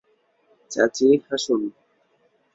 চাচি, হাসুন।